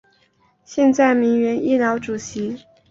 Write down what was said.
现为铭源医疗主席。